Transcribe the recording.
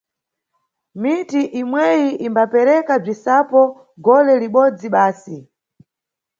Miti imweyi imbapereka bzisapo gole libodzi basi.